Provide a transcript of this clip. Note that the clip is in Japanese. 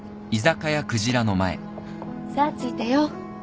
さあ着いたよ。